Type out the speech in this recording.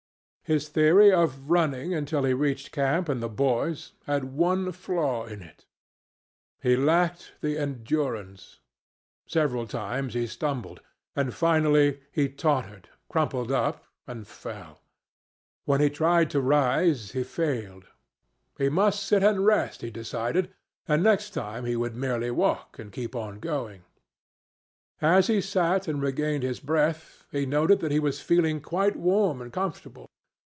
His theory of running until he reached camp and the boys had one flaw in it: he lacked the endurance. Several times he stumbled, and finally he tottered, crumpled up, and fell. When he tried to rise, he failed. He must sit and rest, he decided, and next time he would merely walk and keep on going. As he sat and regained his breath, he noted that he was feeling quite warm and comfortable.